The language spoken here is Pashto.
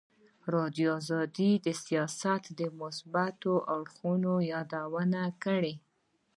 ازادي راډیو د سیاست د مثبتو اړخونو یادونه کړې.